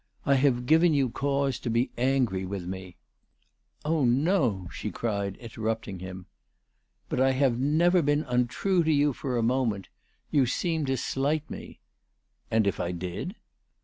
I have given you cause to be angry with me." " Oh no !" she cried, interrupting him. ALICE DUGDALE. 415 "But I have never been untrue to you for a moment. You seemed to slight me." "And if I did?"